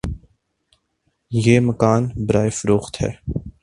یہ مکان برائے فروخت ہے